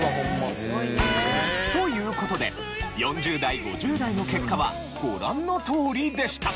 ねえすごいね。という事で４０代５０代の結果はご覧のとおりでした。